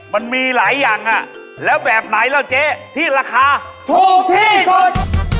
มันมีหลายอย่างแล้วแบบไหนล่ะเจ๊ที่ราคาถูกที่สุด